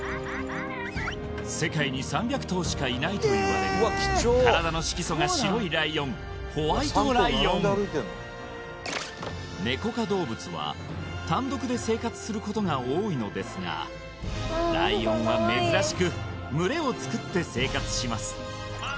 世界に３００頭しかいないといわれる体の色素が白いライオンホワイトライオンネコ科動物は単独で生活することが多いのですがライオンは珍しく群れをつくって生活します